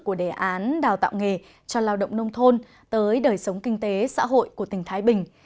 của đề án đào tạo nghề cho lao động nông thôn tới đời sống kinh tế xã hội của tỉnh thái bình